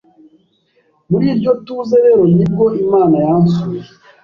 muri iryo tuze rero nibwo Imana yansuye,